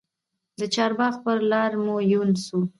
د چارباغ پر لار مو یون سو